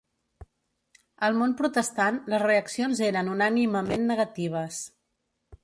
Al món protestant, les reaccions eren unànimement negatives.